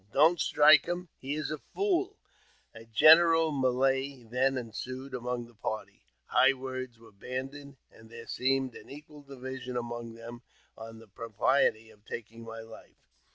Don't strike him : he is a fool !" A general melee then ensued among the party ; high words were bandied, and there seemed an equal division among them on the propriety of taking my life.